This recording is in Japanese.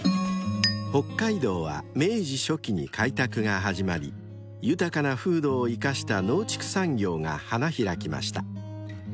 ［北海道は明治初期に開拓が始まり豊かな風土を生かした農畜産業が花開きました］